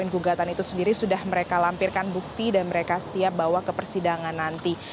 gugatan itu sendiri sudah mereka lampirkan bukti dan mereka siap bawa ke persidangan nanti